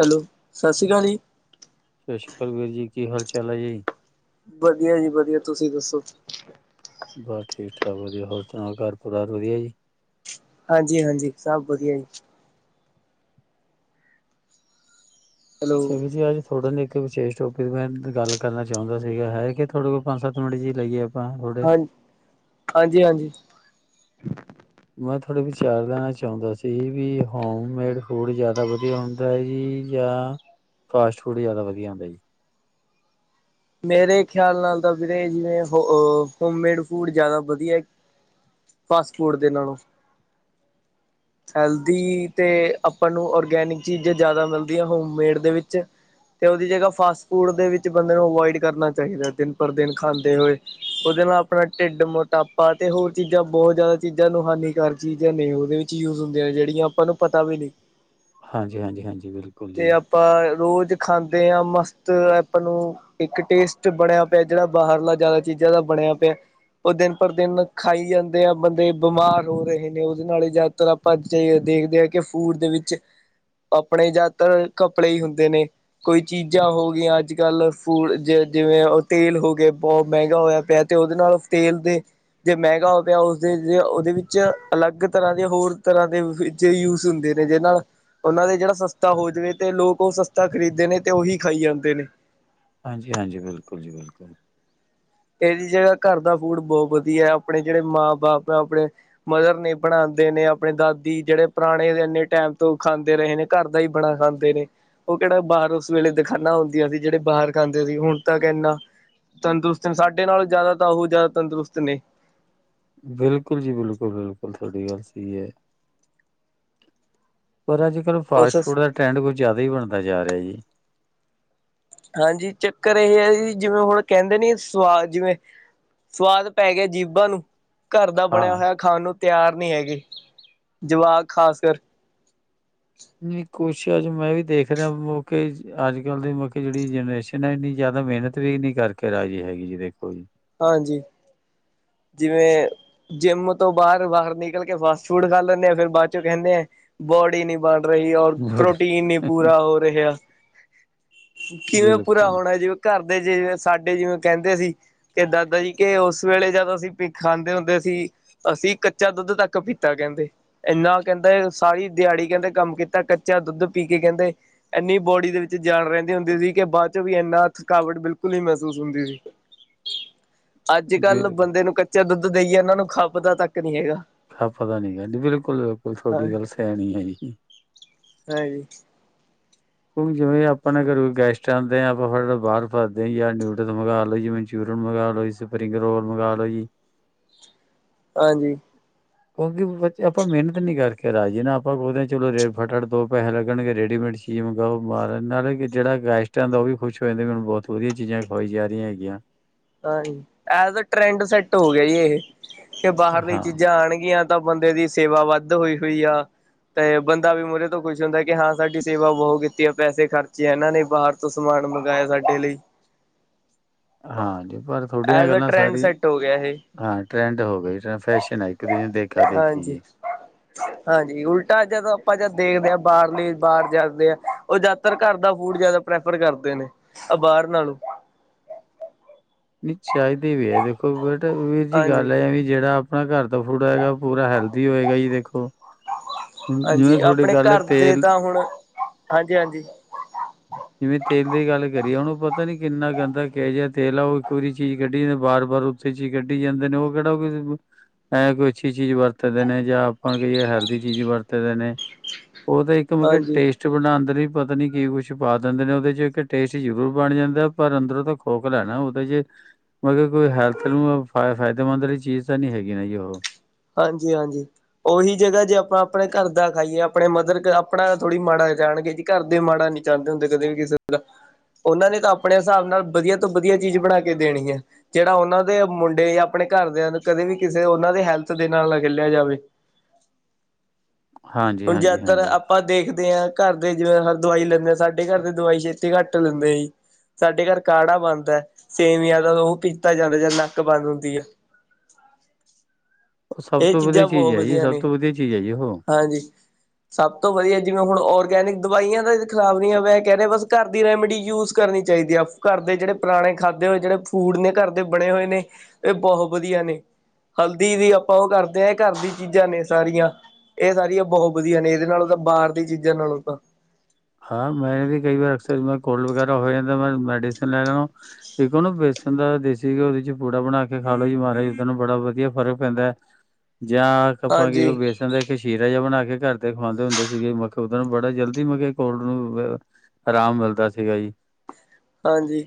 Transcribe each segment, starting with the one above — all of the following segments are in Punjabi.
ਹੈਲੋ, ਸਾਸਰੀ ਕਾਲ ਜੀ। ਸ਼ਸ਼ੀ ਕਾਲ ਵੀਰ ਜੀ ਕੀ ਹਾਲ ਚਾਲ ਆ ਜੀ? ਵਧੀਆ ਜੀ ਵਧੀਆ ਤੁਸੀਂ ਦੱਸੋ? ਬਸ ਠੀਕ-ਠਾਕ ਵਧੀਆ ਹੋਰ ਸੁਣਾਓ ਘਰ ਪਰਿਵਾਰ ਵਧੀਆ ਜੀ? ਹਾਂਜੀ-ਹਾਂਜੀ ਸਭ ਵਧੀਆ ਜੀ। ਹੈਲੋ [unintelligible] ਆਜ। ਥੋਡੇ ਨੇ ਇੱਕ ਵਿਸ਼ੇਸ਼ ਟੋਪਿਕ ਮੈਂ ਗੱਲ ਕਰਨਾ ਚਾਹੁੰਦਾ ਸੀਗਾ ਹੈਗੇ ਤੁਹਾਡੇ ਕੋਲ ਪੰਜ-ਸੱਤ ਮਿੰਟ ਜੀ ਲਈਏ? ਆਪਾਂ ਥੋੜੇ ਹਾਂ, ਹਾਂਜੀ-ਹਾਂਜੀ। ਮੈਂ ਤੁਹਾਡੇ ਵਿਚਾਰ ਲੈਣਾ ਚਾਹੁੰਦਾ ਸੀ ਜੀ ਵੀ ਹੋਮਮੇਡ ਫੂਡ ਜ਼ਿਆਦਾ ਵਧੀਆ ਹੁੰਦਾ ਹੈ ਜੀ ਜਾਂ, ਫਾਸਟ ਫੂਡ ਜ਼ਿਆਦਾ ਵਧੀਆ ਹੁੰਦਾ ਜੀ? ਮੇਰੇ ਖਿਆਲ ਨਾਲ ਤਾਂ ਵੀਰੇ ਜਿਵੇਂ ਹੋ ਹੋਮਮੇਡ ਫੂਡ ਜ਼ਿਆਦਾ ਵਧੀਆ ਫਾਸਟ ਫੂਡ ਦੇ ਨਾਲੋਂ। ਹੈਲਦੀ ਤੇ ਆਪਾਂ ਨੂੰ ਔਰਗੈਨਿਕ ਚੀਜ਼ਾਂ ਜ਼ਿਆਦਾ ਮਿਲਦੀਆਂ ਹੋਮਮੇਡ ਦੇ ਵਿੱਚ। ਤੇ ਉਹਦੀ ਜਗ੍ਹਾ ਫਾਸਟ ਫੂਡ ਦੇ ਵਿੱਚ ਬੰਦੇ ਨੂੰ ਅਵੋਇਡ ਕਰਨਾ ਚਾਹੀਦਾ ਦਿਨ ਪਰ ਦਿਨ ਖਾਂਦੇ ਹੋਏ। ਉਹਦੇ ਨਾਲ ਆਪਣਾ ਢਿੱਡ ਮੋਟਾਪਾ ਤੇ ਹੋਰ ਚੀਜ਼ਾਂ ਬਹੁਤ ਜ਼ਿਆਦਾ ਚੀਜ਼ਾਂ ਨੂੰ ਹਾਨੀਕਾਰਕ ਚੀਜ਼ਾਂ ਨੇ ਉਹਦੇ ਵਿੱਚ ਯੂਜ ਹੁੰਦੀਆਂ ਜਿਹੜੀਆਂ ਆਪਾਂ ਨੂੰ ਪਤਾ ਵੀ ਨੀ। ਹਾਂਜੀ ਹਾਂਜੀ ਹਾਂਜੀ ਬਿਲਕੁਲ ਜੀ। ਆਪਾਂ ਰੋਜ਼ ਖਾਂਦੇ ਆ ਮਸਤ ਆਪਾਂ ਨੂੰ ਇੱਕ ਟੇਸਟ ਬਣਿਆ ਪਿਆ ਜਿਹੜਾ ਬਾਹਰਲਾ ਜ਼ਿਆਦਾ ਚੀਜ਼ਾਂ ਦਾ ਬਣਿਆ ਪਿਆ। ਉਹ ਦਿਨ ਪਰ ਦਿਨ ਖਾਈ ਜਾਂਦੇ ਆ ਬੰਦੇ ਬਿਮਾਰ ਹੋ ਰਹੇ ਨੇ ਉਹਦੇ ਨਾਲ ਹੀ ਜ਼ਿਆਦਾਤਰ ਆਪਾਂ ਦੇਖਦੇ ਹਾਂ ਕਿ ਫੂਡ ਦੇ ਵਿੱਚ ਆਪਣੇ ਜਿਆਤਰ ਘਪਲੇ ਹੀ ਹੁੰਦੇ ਨੇ, ਕੋਈ ਚੀਜ਼ਾਂ ਹੋ ਗਈਆਂ ਅੱਜ ਕੱਲ੍ਹ। ਫੂ ਜ ਜਿਵੇਂ ਉਹ ਤੇਲ ਹੋਗੇ ਬਹੁਤ ਮਹਿੰਗਾ ਹੋਇਆ ਪਿਆ ਤੇ ਉਹਦੇ ਨਾਲ ਤੇਲ ਦੇ ਜੇ ਮਹਿੰਗਾ ਹੋ ਗਿਆ ਉਸਦੇ ਉਹਦੇ ਵਿੱਚ ਅਲੱਗ ਤਰ੍ਹਾਂ ਦੇ ਹੋਰ ਤਰ੍ਹਾਂ ਦੇ ਜੇ ਯੂਜ ਹੁੰਦੇ ਨੇ ਜਿਹ ਨਾਲ ਉਹਨਾਂ ਦੇ ਜਿਹੜਾ ਸਸਤਾ ਹੋ ਜਾਵੇ ਤੇ ਲੋਕ ਉਹ ਸਸਤਾ ਖਰੀਦਦੇ ਨੇ ਤੇ ਉਹੀ ਖਾਈ ਜਾਂਦੇ ਨੇ। ਹਾਂਜੀ-ਹਾਂਜੀ ਬਿਲਕੁਲ ਜੀ ਬਿਲਕੁਲ। ਇਹਦੀ ਜਗ੍ਹਾ ਘਰ ਦਾ ਫੂਡ ਬਹੁਤ ਵਧੀਆ ਆਪਣੇ ਜਿਹੜੇ ਮਾਂ-ਬਾਪ ਐ ਆਪਣੇ ਮਦਰ ਨਹੀਂ ਬਣਾਦੇ ਨੇ ਆਪਣੇ ਦਾਦੀ ਜਿਹੜੇ ਪੁਰਾਣੇ ਇੰਨੇ ਟਾਈਮ ਤੋਂ ਖਾਂਦੇ ਰਹੇ ਨੇ। ਘਰ ਦਾ ਹੀ ਬਣਾ ਖਾਂਦੇ ਨੇ। ਉਹ ਕਿਹੜਾ ਬਾਹਰ ਉਸ ਵੇਲੇ ਦਿਖਾਨਾ ਹੁੰਦੀਆਂ ਸੀ ਜਿਹੜੇ ਬਾਹਰ ਖਾਂਦੇ ਸੀ ਹੁਣ ਤਾਂ ਕਿ ਇੰਨਾ, ਤੰਦਰੁਸਤ- ਸਾਡੇ ਨਾਲੋ ਜਿਆਦਾ ਤਾਂ ਉਹ ਜਿਆਦਾ ਤੰਦਰੁਸਤ ਨੇ- ਬਿਲਕੁਲ ਜੀ ਬਿਲਕੁਲ- ਬਿਲਕੁਲ ਤੁਹਾਡੀ ਗੱਲ ਸਹੀ ਹੈ। ਪਰ ਅਜ ਕਲ ਉਸ ਫਾਸਟ ਫੂਡ ਦਾ ਟਰੈਂਡ ਕੁਝ ਜਿਆਦਾ ਹੀ ਬਣਦਾ ਜਾ ਰਿਹਾ ਜੀ- ਹਾਂਜੀ ਚੱਕਰ ਇਹ ਹੈ। ਜੀ ਜਿਵੇ ਹੁਣ ਕਹਿੰਦੇ ਨੀ ਸਵਾਦ ਜਿਵੇ- ਸਵਾਦ ਪੈ ਗਿਆ ਜੀਬਾ ਨੂੰ- ਘਰ ਦਾ ਹਾਂ ਬਣਿਆ ਹੋਇਆ ਖਾਣ ਨੂੰ ਤਿਆਰ ਨਹੀ ਹੈਗੇ ਜਵਾਕ ਖਾਸ ਕਰ- ਨਹੀ ਕੁਛ ਅਜ ਮੈ ਵੀ ਦੇਖ ਰਿਹਾ ਮੋਕੇ ਅਜ ਕਲ ਦੇ ਮੋਕੇ ਜਿਹੜੀ ਜਨਰੇਸ਼ਨ- ਨਾ ਇਨੀ ਜਿਆਦਾ ਮਿਹਨਤ ਵੀ ਨੀ ਕਰਕੇ ਰਾਜੀ ਹੈਗੀ ਜੀ ਦੇਖੋ ਜੀ- ਹਾਂਜੀ- ਜਿਵੇ- ਜਿੰਮ ਤੋਂ ਬਾਹਰ- ਬਾਹਰ ਨਿਕਲ ਕੇ ਫਾਸਟ ਫੂਡ ਖਾ ਲੈਂਦੇ ਆ ਫਿਰ ਬਾਅਦ ਚੋਂ ਕਹਿੰਦੇ ਆ ਬੋਡੀ ਨੀ ਬਰ- ਰਹੀ ਔਰ ਪ੍ਰੋਟੀਨ ਨੀ ਬੜੀ ਪੂਰਾ ਹੋ ਰਿਹਾ ਕਿਵੇ ਪੂਰਾ ਬਿਲਕੁਲ ਹੋਣਾ ਜਿਵੇ- ਘਰਦੇ ਜਿਵੇ ਸਾਡੇ ਜਿਵੇ ਕਹਿੰਦੇ ਸੀ ਕਿ ਦਾਦਾ ਜੀ ਕਿ ਉਸ ਵੇਲੇ ਜਦੋ- ਅਸੀ ਖਾਂਦੇ ਹੁੰਦੇ ਅ ਸੀ ਅਸੀ ਕਚਾ ਦੁੱਧ ਤੱਕ ਪੀਤਾ ਕਹਿੰਦੇ- ਇਨਾ ਕਹਿੰਦੇ ਸਾਰੀ ਦਿਹਾੜੀ ਕਹਿੰਦੇ ਕਮ ਕੀਤਾ ਕੱਚਾ ਦੁੱਧ ਪੀ ਕੇ ਕਹਿੰਦੇ- ਐਨੀ ਬੋਡੀ ਦੇ ਵਿਚ ਜਾਨ ਰਹਿੰਦੀ ਹੁੰਦੀ ਸੀ ਕਿ ਬਾਅਦ ਚੋਂ ਵੀ ਇਨਾ ਥਕਾਵਟ ਬਿਲਕੁਲ ਨਹੀ ਮਹਿਸੂਸ ਹੁੰਦੀ ਸੀ। ਅਜ ਕਲ ਬਿਲਕੁਲ ਬੰਦੇ ਨੂੰ ਕੱਚਾ ਦੁੱਧ ਦੇਈਏ ਇਹਨਾ ਨੂੰ ਖਾਪਤਾ ਤੱਕ ਨਹੀ ਹੈਗਾ- ਖ ਪਦਾ ਨੀ ਗਾ ਜੀ ਬਿਲਕੁਲ- ਬਿਲਕੁਲ ਹਾਂ ਤੁਹਾਡੀ ਗੱਲ ਸਿਆਣੀ ਹੈ। ਹਾਂਜੀ- ਹੁਣ ਜਿਵੇ ਆਪਾ ਨਾ ਘਰੇ ਕੋ ਗੈਸਟ ਆਂਦੇ ਆ ਆਪਾ ਫੇਰ ਬਾਹਰ ਭਜਦੇ ਜਾਂ ਨੂਡਲਸ ਮੰਗਵਾ ਲ ਲੋ ਜਿਵੇ- ਮਨਚੂਰੀਅਨ ਮੰਗਵਾ ਲਓ ਜੀ ਸਪਰਿੰਗ ਰੋਲ ਮੰਗਵਾ ਲਓ ਜੀ- ਹਾਂਜੀ- ਕਿਉਕਿ ਆਪਾ ਮਿਹਨਤ ਨੀ ਕਰਕੇ ਰਾਜੀ ਨਾ ਆਪਾ ਸੋਚਦੇ ਚਲੋ ਫਟਾਫਟ ਦੋ ਪੈਸੇ ਲੱਣਗੇ ਰੇਡੀਮੇਡ- ਚੀਜ ਮੰਗਗਾਓ ਮਾਰ ਨਾਲੇ ਜਿਹੜਾ ਗੈਸਟ ਜੇੜਾ ਗੈਸਟ ਆਂਦਾ ਉਹ ਵੀ ਖੁਸ਼ ਹੋ ਜਾਦਾ ਮਨੂੰ ਬੋਤ ਵਧੀਆ ਚੀਜਾ ਖਵਾਈ ਜਾ ਰਹੀਆਂ ਹੈਗੀਆਂ- ਹਾਂਜੀ ਐਹ ਦਾ ਟਰੈਡ ਸੈਟ ਹੋ ਗਿਆ ਜੀ ਇਹ ਕਿ ਬਾਹਰ ਦੀ ਹਾਂ, ਚੀਜਾ ਆਣਗੀਆਂ- ਤਾਂ ਬੰਦੇ ਦੀ ਸੇਵਾ ਵੱਧ ਹੋਈ ਹੋਈ ਆ। ਤੇ ਬੰਦਾ ਵੀ ਮੂਹਰੇ ਤੋ ਖੁਸ਼ ਹੁੰਦਾ ਕਿ ਹਾਂ ਸਾਡੀ ਸੇਵਾ ਬੋਤ ਕੀਤੀ ਹੈ। ਪੈਸੇ ਖਰਚੇ ਆ ਇਹਨਾ ਨੇ ਬਾਹਰ- ਤੋ ਸਮਾਨ ਮੰਗਾਏਆ ਸਾਡੇ ਲਈ- ਹਾਂ ਜੀ ਪਰ ਥੋਡੀਆਂ ਐਜ ਅ ਗੱਲਾਂ ਟਰੈਂਡ ਸਾਰੀਆਂ- ਸੈੱਟ ਹੋ ਗਿਆ ਇਹ ਹਾਂ ਟਰੈਂਡ ਹੋ ਗਈ ਫੈਸ਼ਨ ਹੈ। ਇਕ ਦੂਜੇ ਨੂੰ ਦੇਖਾ ਦੇਖੀ ਜੀ- ਹ [unintelligible] ਹਾਂਜੀ ਉਲਟਾ ਜਦੋ ਆਪਾ ਜਦ ਦੇਖਦੇ ਹਾਂ ਬਾਹਰਲੇ ਬਾਹਰ ਜਾਦੇ ਆ ਉਹ ਜਿਆਦਾਤਰ ਘਰ ਦਾ ਫੂਡ ਜਿਆਦਾ- ਪ੍ਰੈਫਰ ਕਰਦੇ ਨੇ ਅ ਬਾਹਰ ਨਾਲੋ- ਨਹੀ ਚਾਹੀਦੀ ਵੀ ਹੈ ਦੇਖੋ ਬੇਟਾ ਵੀਰ ਜੀ ਹਾਂਜੀ ਗੱਲ ਹੈ। ਵੀ ਜਿਹੜਾ- ਆਪਣਾ ਘਰ ਦਾ ਫੂਡ ਹੈਏਗਾ ਪੂਰਾ ਹੈਲਦੀ ਹੋਏਗਾ ਜੀ ਦੇਖੋ- ਹੁਣ ਜਿਵੇਂ ਹਾਂਜੀ ਤੁਹਾਡੀ ਆਪਣੇ ਗੱਲ ਹੈ ਘਰ ਦੇ ਤੇਲ ਤਾਂ ਹੁਣ ਹਾਂਜੀ- ਹਾਂਜੀ- ਜਿਵੇ ਤੇਲ ਦੀ ਗੱਲ ਕਰੀਏ ਉਹਨੂੰ ਪਤਾ ਨੀ ਕਿਨਾ ਗੰਦਾ ਕਿਹ ਜਿਹਾ ਤੇਲ ਆ ਉਹ ਇਕ ਵਾਰੀ ਚੀਜ਼ ਕਢੀ ਜਾਂ ਬਾਰ ਵਾਰ- ਉਸੇ 'ਚ ਹੀ ਕਢੀ ਜਾਦੇ ਨੇ ਉਹ ਕਿਹੜਾ ਕਿ- ਐ ਕੋਈ ਅਛੀ ਚੀਜ ਵਰਤਦੇ ਨੇ ਜਾਂ ਆਪਾ ਕਈ ਹੈਲਦੀ ਚੀਜ ਵਰਤਦੇ ਨੇ- ਉਹ ਤਾਂ ਇਕ ਮਤਲਬ ਹਾਂਜੀ, ਟੇਸਟ ਬਣਾਂਦੇ ਨੇ ਪਤਾ ਨੀ ਕੀ ਕੁਛ- ਚ ਪਾ ਦਿੰਦੇ ਨੇ ਉਹਦੇ 'ਚ ਇਕ ਟੇਸਟ ਜਰੂਰ ਬਣ ਜਾਦਾ ਹੈ। ਪਰ ਅੰਦਰੋਂ ਤਾ ਖੋਖਲਾ ਨਾ ਉਹਦੇ 'ਚ- ਮਤਲਬ ਕੋਈ ਹੈਲਥ ਨੂੰ ਫਾਇਦੇਮੰਦ ਵਾਲੀ ਚੀਜ ਤਾਂ ਨਹੀ ਹੈਗੀ ਨਾ ਜੀ ਉਹ- ਹਾਂਜੀ- ਹਾਂਜੀ- ਉਹੀ ਜਗ੍ਹਾ ਜੇ ਆਪਾ ਆਪਣੇ ਘਰ ਦਾ ਖਾਈਏ ਆਪਣੇ ਮਦਰ ਆਪਣਾ ਥੋੜੀ ਮਾੜਾ ਚਾਣਗੇ ਜੀ- ਘਰਦੇ ਮਾੜਾ ਨੀ ਚਾਂਦੇ ਹੁੰਦੇ ਕਦੇ ਵੀ ਕਿਸੇ ਦਾ- ਓਨਾ ਨੇ ਤਾਂ ਅਪਣੇ ਹਿਸਾਬ ਨਾਲ ਵਧੀਆ ਤੋਂ ਵਧੀਆ ਚੀਜ ਬਣਾ ਕੇ ਦੇਣੀ ਏ। ਜੇੜਾ ਓਨਾ ਦੇ ਮੁੰਡੇ ਜਾਂ ਆਪਣੇ ਘਰਦਿਆਂ ਨੂੰ ਕਦੇ ਵੀ ਕਿਸੇ ਓਨਾ ਦੇ ਹੈਲਪ- ਦੇ ਨਾਲ ਨਗਲਿਆ ਜਾਵੇ ਹਾਂਜੀ, ਹੁਣ ਹਾਂਜੀ, ਜਾਦਾਤਰ- ਹਾਂਜੀ। ਆਪਾ ਦੇਖਦੇ ਆਂ, ਘਰ ਦੇ ਜਿਵੇ ਹ ਦਵਾਈ ਲੈਂਦੇ ਆ ਸਾਡੇ ਘਰ ਦੀ ਦਵਾਈ ਛੇਤੀ ਘੱਟ ਲੈਦੇ ਸੀ। ਸਾਡੇ ਘਰ ਕਾੜਾ ਬੰਨਦਾ ਸੇਵੀਆਂ ਦਾ, ਓ ਪੀਤਾ ਜਾਂਦਾ ਜਦ, ਨੱਕ ਬੰਦ ਹੁੰਦੀਏ। ਉਹ ਸਭ ਏ ਤੋਂ ਵਧੀਆ ਚੀਜ਼ਾਂ ਬਓ ਚੀਜ਼ ਹੈ ਜੀ ਵਧੀਆ ਸਭ ਨੇ, ਤੋਂ ਵਧੀਆ ਚੀਜ਼ ਹੈ ਜੀ ਉਹ। ਹਾਂਜੀ। ਸਭ ਤੋਂ ਵਧੀਆ ਜਿਵੇਂ ਹੁਣ ਔਰਗੈਨਿਕ ਦਵਾਈਆਂ ਦਾ ਖ਼ਰਾਬ ਨ ਹੋਵੇ, ਮੈਂ ਕੈ ਰੇਯਾ ਬਸ ਘਰ ਦੀ ਰੈਮਡੀ ਯੂਜ ਕਰਨੀ ਚਾਈਦੀ ਏ। ਘਰ ਦੇ ਜੇੜੇ ਪੁਰਾਣੇ ਖਾਧੇ ਹੋਏ ਜੇੜੇ ਫੂਡ ਨੇ ਘਰ ਦੇ ਬਣੇ ਹੋਏ ਨੇ, ਇਹ ਬਓ ਵਧੀਆ ਨੇ। ਹਲਦੀ ਵੀ ਆਪਾਂ ਓ ਕਰਦੇ ਆਂ, ਆਪਾਂ ਘਰ ਦੀ ਚੀਜ਼ਾਂ ਨੇ ਸਾਰੀਆਂ। ਏ ਸਾਰੀਆਂ ਬਹੁਤ ਵਧੀਆ ਨੇ, ਏਦੇ ਨਾਲੋਂ ਤਾਂ ਬਾਰ ਦੀਆਂ ਚੀਜ਼ਾਂ ਨਾਲੋਂ ਤਾਂ। ਹਾਂ, ਮੈਂ ਵੀ ਕਈ ਵਾਰ ਅਕਸਰ ਕੋਲਡ ਵਗੈਰਾ ਹੋ ਜਾਂਦਾ, ਮੈਂ ਮੈਡੀਸਨ ਲੈ ਲੈਣਾ। ਇੱਕ ਓ ਨਾ ਬੇਸਣ ਦਾ ਦੇਸੀ ਘਿਓ ਦਾ ਚੱ ਪੂੜਾ ਬਣਾ ਕੇ ਖਾ ਲੋੋ ਜੀ, ਮਾੜਾ ਜਾਂ ਜੀਦਾ ਨੂੰ ਬੜਾ ਵਧੀਆ ਫਰਕ ਪੈਂਦਾ। ਜਾਂ ਆਪਾਂ ਕੇ ਵਾਰੀ ਓ ਹਾਂਜੀ ਬੇਸਨ ਦਾ ਸ਼ੀਰਾ ਜੇਯਾ ਬਣਾ ਕੇ ਘਰ ਤੇ ਖੁਵਾਦੇ ਹੁੰਦੇ ਸੀਗੇ ਮ ਓਦੇ ਨਾਲ ਬੜਾ ਜਲਦੀ ਮ ਕੋਲ੍ਡ ਨੂੰ ਫ ਆਰਾਮ ਮਿਲਦਾ ਸੀਗਾ ਜੀ। ਹਾਂਜੀ।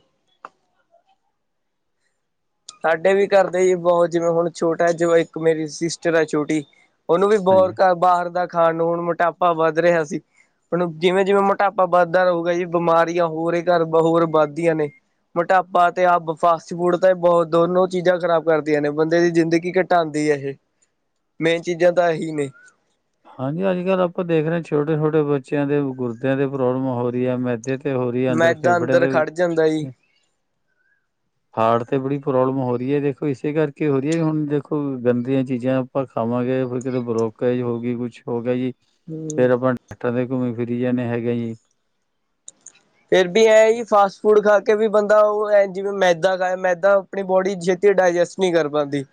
ਸਾਡੇ ਵੀ ਘਰ ਦੇ ਹੀ ਬਹੁਤ ਜਿਵੇਂ ਹੁਣ ਛੋਟਾ ਜੋ ਏਕ ਮੇਰੀ ਸਿਸਟਰ ਐ ਛੋਟੀ ਓਨੂੰ ਵੀ ਹਾਂਜੀ। ਬਹੋਤ ਬਾਹਰ ਦਾ ਖਾਣ ਨੂੰ ਹੁਣ ਮੋਟਾਪਾ ਵੱਧ ਰਿਹਾ ਸੀ ਹੁਣ ਜਿਵੇਂ-ਜਿਵੇਂ ਮੋਟਾਪਾ ਵੱਧਦਾ ਰਹੂਗਾ ਜੀ ਬਿਮਾਰੀਆਂ ਹੋਰ ਘਰ ਹੋਰ ਵੱਧਦੀਆਂ ਨੇ। ਮੋਟਾਪਾ ਤੇ ਆਪ ਫਾਸਟ ਫੂਡ ਤਾਂ ਬਉਤ ਦੋਨੋ ਚੀਜਾਂ ਖ਼ਰਾਬ ਕਰਦੀਆਂ ਨੇ ਬੰਦੇ ਦੀ ਜ਼ਿੰਦਗੀ ਘਟਾਉਂਦੀ ਐ ਇਹ। ਮੇਨ ਚੀਜ਼ਾਂ ਤਾਂ ਐਹੀ ਨੇ। ਹਾਂਜੀ ਅੱਜ-ਕੱਲਆਪਾਂ ਦੇਖ ਰੇਆਂ ਛੋਟੇ-ਛੋਟੇ ਬੱਚੇਆਂ ਦੇ ਗੁਰਦਿਆਂ ਦੀ ਪ੍ਰੋਬਲਮ ਹੋ ਰਿਐ। ਮੈਦੇ ਤੇ ਹੋ ਰਹੀ ਹੈ ਮੈਦਾ ਫੇਫੜਿਆਂ ਅੰਦਰ ਖੜ ਜਾਂਦਾ ਈ। ਦੇ ਹਾਰਟ ਤੇ ਬੜੀ ਪ੍ਰੋਬਲਮ ਹੋ ਰੀਏ ਦੇਖੋ, ਇਸੇ ਕਰਕੇ ਹੋ ਰੀਏ ਹੁਣ ਦੇਖੋ, ਗੰਦੀਆਂ ਚੀਜਾਂ ਆਪਾਂ ਖਾਵਾਂਗੇ, ਫੇਰ ਕਿਤੇ ਬਲੋਕੇਜ ਐ ਕੁੱਛ ਹੋ ਗਿਆ ਜੀ, ਹੂੰ। ਫੇਰ ਆਪਾਂ ਡਾਕਟਰਾਂ ਤੇ ਘੁੰਮੀ ਫਿਰੀ ਜਾਂਦੇ ਹੈਗੇ ਜੀ। ਫੇਰ ਬੀ ਐਈ ਫਾਸਟ ਫੂਡ ਖਾ ਕੇ ਵੀ ਬੰਦਾ ਓ ਹੈ ਜਿਵੇਂ ਮੈਦਾ ਖਾਏ, ਮੈਦਾ ਅਪਣੀ ਬੋਡੀ ਛੇਤੀ ਡਾਇਜੈਸਟ ਨਈਂ ਕਰ ਪਾਂਦੀ।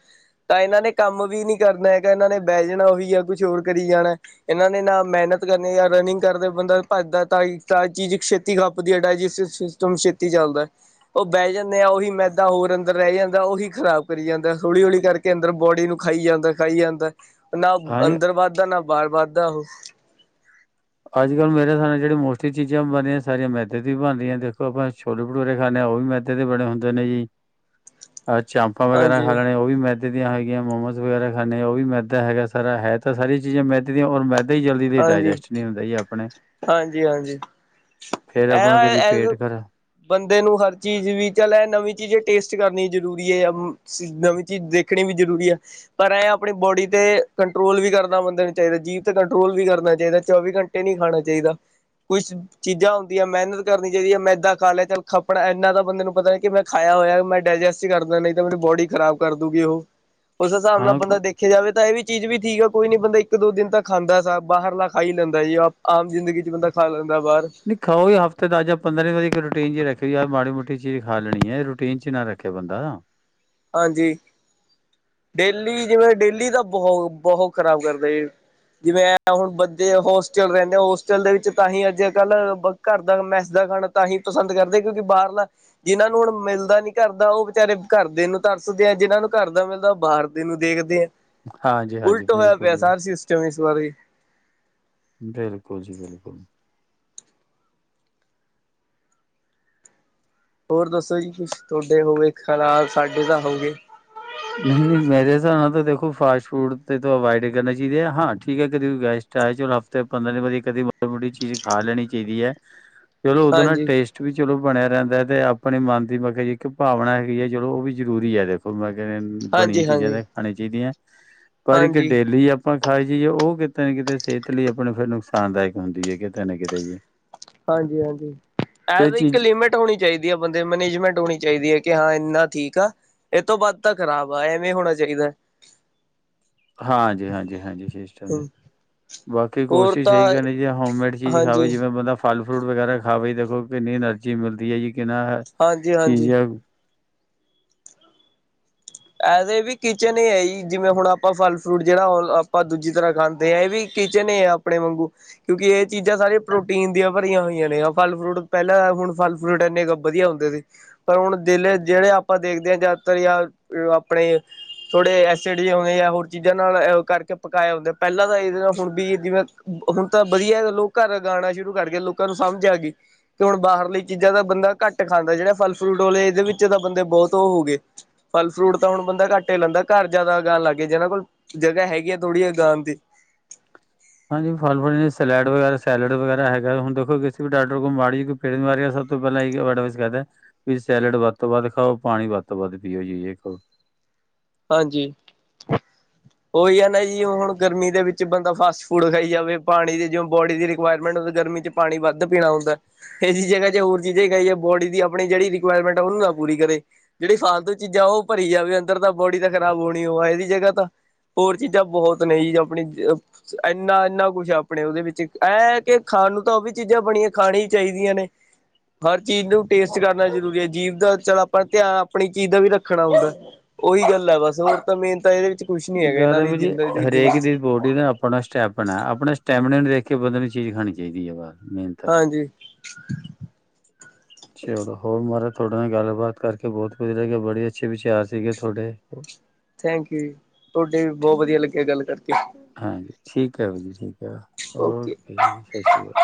ਤਾਂ ਏਨਾਂ ਨੇ ਕੰਮ ਵੀ ਨੀ ਕਰਨਾ ਹੈਗਾ ਏਨਾਂ ਨੇ ਬੈ ਜਾਣਾ ਓਵੀ ਏਯੋ ਕੁਛ ਹੋਰ ਕਰੀ ਜਾਣਾ। ਏਨਾਂ ਨੇ ਨਾਂ ਮੇਨਤ ਕਰਨੀ ਯਾਂ ਰਨਿੰਗ ਕਰਦੇ ਬੰਦਾ ਭੱਜਦਾ ਤਾਂ ਸਾਰੀ ਚੀਜ਼ ਛੇਤੀ - ਛੇਤੀ ਖੱਪਦੀ ਐ, ਡਾਇਜੈਸਟ ਸਿਸਟਮ ਛੇਤੀ ਚੱਲਦਾ। ਓ ਬੈ ਜਾਂਦੇ ਆ ਓਹੀ ਮੈਦਾ ਹੋਰ ਅੰਦਰ ਰਹਿ ਜਾਂਦਾ, ਓਹੀ ਖ਼ਰਾਬ ਕਰੀ ਜਾਂਦਾ ਹੌਲੀ-ਹੌਲੀ ਕਰਕੇ ਅੰਦਰ ਬੋਡੀ ਨੂੰ ਖਾਈ ਜਾਂਦਾ, ਖਾਈ ਜਾਂਦਾ ਨਾ ਹਾਂਜੀ ਅੰਦਰ ਵੱਧਦਾ ਨਾ ਬਾਹਰ ਵੱਧਦਾ ਓਹ। ਅੱਜ-ਕੱਲ ਮੇਰੇ ਹਿਸਾਬ ਨਾਲ ਜੇੜੀ ਮੋਸਟਲੀ ਚੀਜ਼ਾਂ ਬਣਦੀਆਂ ਸਾਰੀਆਂ ਮੈਦੇ ਦੀ ਵੀ ਬਨ ਰਹੀਆਂ ਦੇਖੋ, ਆਪਾਂ ਛੋਲੇ-ਭਟੂਰੇ ਖਾਂਦੇ ਆ, ਓਵੀ ਮੈਦੇ ਦੇ ਬਣੇ ਹੁੰਦੇ ਨੇ ਜੀ। [inaudible] ਐ ਚਾਂਪਾਂ ਵਗੈਰਾ ਹਾਂਜੀ ਖਾ ਲੈਣੇਐ, ਓ ਵੀ ਮੈਦੇ ਮੈਦੇ ਦੀਆਂ ਹੈਗੀਆਂ, ਮੋਮੋਸ ਵਗੈਰਾ ਖਾਂਣੇ ਆ ਓ ਵੀ ਮੈਦਾ ਹੈਗਾ ਸਾਰਾ। ਹੈ ਤਾਂ ਸਾਰੀ ਚੀਜ਼ਾਂ ਮੈਦੇ ਦੀਆਂ ਹੋਰ ਮੈਦਾ ਜਲਦੀ ਡਾਇਜੈਸਟ ਨਈਂ ਹੁੰਦਾ ਆਪਣੇ ਹਾਂਜੀ-ਹਾਂਜੀ, ਫੇਰ ਐ ਆਪਾਂ ਨੂੰ ਕਦੀ ਐ ਪੇਟ ਖਰਾ ਬੰਦੇ ਨੂੰ ਹਰ ਚੀਜ਼ ਵੀ ਚੱਲ ਏ ਨਵੀਂ ਚੀਜ਼ ਟੇਸਟ ਕਰਨੀ ਜ਼ਰੂਰੀ ਏ, ਨਵੀਂ ਚੀਜ਼ ਦੇਖ ਸਿੱਖਣੀ ਵੀ ਜ਼ਰੂਰੀ ਐ। ਪਰ ਐ ਆਪਣੀ ਬੋਡੀ ਤੇ ਕੰਟਰੋਲ ਵੀ ਕਰਨਾ ਬੰਦੇ ਨੂੰ ਚਾਈਦਾ, ਜੀਭ ਤੇ ਕੰਟਰੋਲ ਵੀ ਕਰਨਾ ਚਾਈਦਾ, ਚੌਵੀ ਘੰਟੇ ਨਈਂ ਖਾਣਾ ਚਾਈਦਾ। ਚਾਈਦਾ, ਕੁੱਛ ਚੀਜ਼ਾਂ ਹੁੰਦੀਆਂ ਮਿਹਨਤ ਕਰਨੀ ਚਾਹੀਦੀ ਹੈ, ਮੈਂਦਾ ਖਾ ਲਿਆ, ਚੱਲ ਖੱਪਣਾ ਇੰਨਾ ਤਾਂ ਬੰਦੇ ਨੂੰ ਪਤਾ ਕਿ ਮੈਂ ਖਾਇਆ ਹੋਇਆ ਮੈਂ ਡਾਇਜੈਸਟ ਹੀ ਕਰਦਾ ਨਹੀਂ ਤਾਂ ਮੇਰੀ ਬੋਡੀ ਖਰਾਬ ਕਰ ਦੂਗੀ ਉਹ, ਉਸ ਹਿਸਾਬ ਨਾਲ ਹਾਂ ਬੰਦਾ ਦੇਖ ਦੇਖਿਆ ਜਾਵੇ ਤਾਂ ਇਹ ਵੀ ਚੀਜ਼ ਵੀ ਠੀਕ ਆ, ਕੋਈ ਨੀ ਬੰਦਾ ਇੱਕ ਦੋ ਦਿਨ ਤੱਕ ਖਾਂਦਾ ਸਬ ਬਾਹਰਲਾ ਖਾ ਹੀ ਲੈਂਦਾ ਜੀ ਆਪ ਆਮ ਜ਼ਿੰਦਗੀ ਚ ਬੰਦਾ ਖਾ ਲੈਂਦਾ ਬਾਹਰ ਨ ਖਾਓ ਹਫ਼ਤੇ ਦੱਸ ਜਾਂ ਪੰਦਰਾਂ ਦਿਨ ਇੱਕ ਰੂਟੀਨ ਚੱ ਹੀ ਰੱਖ ਯਾਰ ਮਾੜੀ ਮੋਟੀ ਚੀਜ਼ ਖਾ ਲੈਣੀ ਹੈ, ਰੂਟੀਨ ਚੱ ਨਾ ਰੱਖੇ ਬੰਦਾ ਹਾਂਜੀ ਡੇਲੀ ਜਿਵੇਂ ਡੇਲੀ ਤਾਂ ਬਹੁਤ ਬਹੁਤ ਖ਼ਰਾਬ ਕਰਦਾ ਏ ਜਿਵੇਂ ਐ ਹੁਣ ਬੱਚੇ ਹੋਸਟਲ ਰਹਿੰਦੇ, ਹੋਸਟਲ ਦੇ ਵਿੱਚ ਤਾਂਹੀ ਅੱਜ ਕੱਲ ਘਰ ਦਾ ਮੈਸ ਦਾ ਖਾਣਾ ਤਾਂ ਹੀਂ ਪਸੰਦ ਕਰਦੇ, ਕਿਉਂਕਿ ਬਾਹਰ ਲਾ ਜਿਹਨਾਂ ਨੂੰ ਹੁਣ ਮਿਲਦਾ ਨੀ ਘਰ ਦਾ, ਉਹ ਵਿਚਾਰੇ ਘਰ ਦੇ ਨੂੰ ਤਰਸਦੇ ਐ, ਜਿਹਨਾਂ ਨੂੰ ਘਰ ਦਾ ਮਿਲਦਾ ਬਾਹਰ ਦੇ ਨੂੰ ਦੇਖਦੇ ਐ, ਹਾਂਜੀ ਹਾਂਜੀ ਉਲਟ ਹੋਇਆ ਬਿਲਕੁਲ ਪਿਆ ਜੀ ਸਾਰ ਸਿਸਟਮ ਇਸ ਬਾਰੇ ਬਿਲਕੁਲ ਜੀ ਬਿਲਕੁਲ ਹੋਰ ਦੱਸੋ ਜੀ ਕੁਛ ਤੁਹਾਡੇ ਹੋਵੇ ਖਰਾਬ, ਸਾਡੇ ਦਾ ਹੋਗੇ ਨਹੀਂ ਨਹੀਂ ਮੇਰੇ ਹਿਸਾਬ ਨਾਲ ਤਾਂ ਦੇਖੋ ਫਾਸਟ ਫੂਡ ਤੇ ਦੋ ਅਵਾਇਡ ਹੀ ਕਰਨੇ ਚਾਹੀਦੇ ਐ, ਹਾਂ ਠੀਕ ਹੈ ਕਦੇ ਗੈਸ ਚਲੋ ਹਫ਼ਤੇ ਪੰਦਰਾਂ ਦਿ ਦੀ ਕਦੀ ਮੋ ਮੋਟੀ ਚੀਜ਼ ਖਾ ਲੈਣੀ ਚਾਹੀਦੀ ਹੈ, ਚਲੋ ਉਦੋਂ ਨਾਲ ਹਾਂਜੀ ਟੇਸਟ ਵੀ ਚਲੋ ਬਣਿਆ ਰਹਿੰਦਾ ਹੈ, ਤੇ ਆਪਣੇ ਮਨ ਦੀ ਮੈਂ ਕੇਹਾ ਜੀ ਇਕ ਭਾਵਨਾ ਹੈਗੀ ਹੈ, ਚਲੋ ਉਹ ਵੀ ਜ਼ਰੂਰੀ ਹੈ ਦੇਖੋ ਮੈਂ ਬਣੀਆਂ ਹਾਂਜੀ ਚੀਜ਼ਾਂ ਤੇ ਹਾਂਜੀ ਖਾਣੀ ਚਾਹੀਦੀਆਂ, ਪਰ ਏ ਕਿ ਹਾਂਜੀ ਡੇਲੀ ਆਪਾਂ ਖਾਈ ਜਾਈਏ, ਉਹ ਕਿਤੇ ਨਾ ਕਿਤੇ ਸਿਹਤ ਲਈ ਆਪਣੇ ਫਿਰ ਨੁਕਸਾਨਦਾਇਕ ਹੁੰਦੀ ਹੈ ਕਿਤੇ ਨਾ ਕਿਤੇ ਜੀ ਹਾਂਜੀ ਹਾਂਜੀ ਐ ਇਹ ਤਾਂ ਇੱਕ ਚੀਜ਼ ਲਿਮਿਟ ਹੋਣੀ ਚਾਹੀਦੀ ਆ, ਬੰਦੇ ਮੈਨੇਜਮੈਂਟ ਹੋਣੀ ਚਾਹੀਦੀ ਹੈ ਕਿ ਹਾਂ ਇੰਨਾ ਠੀਕ ਆ ਇਹ ਤੋਂ ਵੱਧ ਤਾਂ ਖ਼ਰਾਬ ਆ ਐਵੇਂ ਹੋਣਾ ਚਾਹੀਦਾ ਹਾਂਜੀ ਹਾਂਜੀ ਹਾਂਜੀ ਸ਼ੈਸ਼ਟ ਦੇ ਬਾਕੀ ਹੋਰ ਕੋਸ਼ਿਸ਼ ਤਾਂ ਇਹੀ ਕਰਨੀ ਜੀ ਹੋਮੇਡ ਚੀਜ਼ ਖਾਵੇ, ਹਾਂਜੀ ਜਿਵੇਂ ਬੰਦਾ ਫਲ ਫਰੂਟ ਵਗੈਰਾ ਖਾਵੇ, ਦੇਖੋ ਕਿੰਨੀ ਐਨਰਜੀ ਮਿਲਦੀ ਹੈ ਜੀ ਕਿੰਨਾ ਹਾਂਜੀ ਚੀਜ਼ ਹਾਂਜੀ ਆ ਇਹ ਵੀ ਕਿਚਨ ਹੈ ਜੀ, ਜਿਵੇਂ ਹੁਣ ਆਪਾਂ ਫਲ ਫਰੂਟ ਜਿਹੜਾ ਉਹ ਆਪਾਂ ਦੂਜੀ ਤਰ੍ਹਾਂ ਖਾਂਦੇ ਹਾਂ ਇਹ ਵੀ ਕਿਚਨ ਆ ਆਪਣੇ ਵਾਂਗੂ ਕਿਉਂਕਿ ਇਹ ਚੀਜ਼ਾਂ ਸਾਰੇ ਪ੍ਰੋਟੀਨ ਦੀਆਂ ਭਰੀਆਂ ਹੋਈਆਂ ਨੇ, ਫਰੂਟ ਪਹਿਲਾਂ ਹੁਣ ਫਲ ਫਰੂਟ ਇੰਨੇ ਗੱ ਵਧੀਆ ਹੁੰਦੇ ਸੀ, ਪਰ ਹੁਣ ਜੇ ਜਿਹੜੇ ਆਪਾਂ ਦੇਖਦੇ ਆਂ, ਜ਼ਿਆਦਾਤਰ ਜਾਂ ਆਪਣੇ ਥੋੜੇ ਐਸਿਡ ਜ ਆਉਂਦੇ ਆ, ਹੋਰ ਚੀਜ਼ਾਂ ਨਾਲ ਕਰਕੇ ਪਕਾਇਆ ਹੁੰਦਾ ਪਹਿਲਾਂ ਤਾਂ ਇਹਦੇ ਨਾਲ ਹੁਣ ਵੀ ਜਿਵੇਂ ਹੁਣ ਤਾਂ ਵਧੀਆ ਲੋਕ ਘਰ ਲਗਾਣਾ ਸ਼ੁਰੂ ਕਰਕੇ, ਲੋਕਾਂ ਨੂੰ ਸਮਝ ਆ ਗਈ ਕਿ ਹੁਣ ਬਾਹਰਲੀ ਚੀਜ਼ਾਂ ਤਾਂ ਬੰਦਾ ਘੱਟ ਖਾਂਦਾ, ਜਿਹੜਾ ਫਲ ਫਰੂਟ ਵਾਲਲੇ ਇਹਦੇ ਵਿੱਚ ਤਾਂ ਬੰਦੇ ਬਹੁਤ ਉਹ ਹੋ ਗਏ ਫਲ ਫਰੂਟ ਤਾਂ ਹੁਣ ਬੰਦਾ ਘੱਟ ਹੀ ਲਾਂਦਾ, ਘਰ ਜ਼ਿਆਦਾ ਉਗਾਉਣ ਲਗ ਗਏ ਜਿਨਾਂ ਕੋਲ ਜਗ੍ਹਾਹ ਹੈਗੀ ਆ ਥੋੜੀ ਉਗਾਉਣ ਦੀ ਹਾਂਜੀ ਫਲ ਫੁਲ ਜ ਸਲੈਡ ਵਗੈਰਾ ਸੈਲਡ ਵਗੈਰਾ ਹੈਗਾ ਹੁਣ ਦੇਖੋ ਕਿਸੇ ਵੀ ਡਾਕਟਰ ਕੋਲ ਮਾੜੀ ਪੀੜਨ ਵਾ ਰੀ ਯਾ ਸਭ ਤੋਂ ਪਹਿਲਾਂ ਏ ਹੀ ਐਡਵਾਇਸ ਕਰਦਾ ਐ ਵੀ ਸੈਲਡ ਵੱਧ ਤੋਂ ਵੱਧ ਖਾਓ, ਪਾਣੀ ਵੱਧ ਤੋਂ ਵੱਧ ਪੀਓ ਜੀ ਹਾਂਜੀ ਉਹੀ ਹੈ ਨਾ ਜੀ, ਹੁਣ ਗਰਮੀ ਦੇ ਵਿੱਚ ਬੰਦਾ ਫਾਸਟ ਫੂਡ ਖਾਈ ਜਾਵੇ, ਪਾਣੀ ਦੀ ਜ ਬੋਡੀ ਦੀ ਰਿਕੁਆਇਰਮੈਂਟ ਗਰਮੀ ਵਿੱਚ ਪਾਣੀ ਵੱਧ ਪੀਣਾ ਹੁੰਦਾ ਇਸ ਜਗ੍ਹਾਹ ਚ ਹੋਰ ਚੀਜ਼ ਹੀ ਖਾਈ ਜਾਏ, ਬੋਡੀ ਦੀ ਆਪ ਜਿਹੜੀ ਰਿਕੁਆਇਰਮੈਂਟ ਹੈ ਉਹਨੂੰ ਨਾ ਪੂਰੀ ਕਰੇ ਜਿਹੜੀ ਫਾਲਤੂ ਚੀਜ਼ਾਂ ਉਹ ਭਰੀ ਜਾਵੇ ਅੰਦਰ, ਤਾਂ ਬੋਡੀ ਤਾਂ ਖਰਾਬ ਹੋਣੀ ਉਹਾ ਇਹਦੀ ਜਗ੍ਹਾਹ ਤਾਂ ਹੋਰ ਚੀਜ਼ਾਂ ਬਹੁਤ ਨੇ ਜੀ ਆਪਣੀ ਇੰਨਾ ਇੰਨਾ ਕੁਛ ਆਪਣੇ ਉਹਦੇ ਵਿੱਚ, ਐ ਹੈ ਕਿ ਖਾਣ ਨੂੰ ਤਾਂ ਉਹ ਵੀ ਚੀਜ਼ਾਂ ਬਣੀਆਂ ਖਾਣ ਹੀ ਚਾਹੀਦੀਆਂ ਨੇ ਹਰ ਚੀਜ਼ ਨੂੰ ਟੇਸਟ ਕਰਨਾ ਜ਼ਰੂਰੀ ਹੈ ਜੀਭ ਦਾ ਚੱਲ ਆਪਾਂ ਧਿਆਨ ਆਪਣੀ ਚੀਜ਼ ਦਾ ਵੀ ਰੱਖਣਾ ਹੁੰਦਾ ਉਹੀ ਗੱਲ ਹੈ, ਬਸ ਹੋਰ ਤਾਂ ਮੇਨ ਤਾਂ ਇਹਦੇ ਵਿੱਚ ਕੁਛ ਨੀ ਹੈਗਾ ਇਹਨਾਂ ਦੀ ਗਰਮੀ ਚ ਜ਼ਿੰਦਗੀ ਹਰ ਜ਼ਿੰਦਗੀ ਏਕ ਚ ਦੀ ਰਿਪੋਰਟ ਜਿਵੇ ਆਪਣਾ ਸਟੈਪਨਾ ਆਪਣਾ ਸਟੈਮਨਾ ਨੂੰ ਵੇਖ ਕੇ ਬੰਦੇ ਨੂੰ ਚੀਜ਼ ਖਾਣੀ ਚਾਈਦੀ ਐ ਬਸ ਮੇਨ ਤਾਂ ਹਾਂਜੀ। ਚਲੋ ਹੋਰ ਮਹਾਰਾਜ ਤੁਆਡੇ ਨਾਲ ਗੱਲਬਾਤ ਕਰਕੇ ਬੋਤ ਖੁਸ਼ ਲਗੀਆਂ ਬੜੇ ਅੱਛੇ ਵਿਚਾਰ ਸੀਗੇ ਤੋਡੇ ਥੈਂਕ ਯੂ ਤੁਆਡੇ ਵੀ ਬੋਤ ਵਧੀਆ ਲੱਗੇ ਗੱਲ ਕਰਕੇ ਹਾਂਜੀ ਠੀਕ ਆ ਵੀਰ ਜੀ ਠੀਕ ਆ ਓਕੇ ਜੀ ਸਾਸ ਸ਼੍ਰੀ ਕਾਲ।